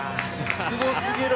すごすぎる。